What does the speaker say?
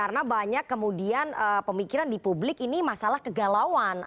karena banyak kemudian pemikiran di publik ini masalah kegalauan